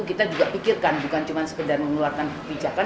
kita juga pikirkan bukan cuma sekedar mengeluarkan kebijakan